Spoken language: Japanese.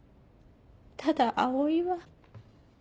ただ葵は。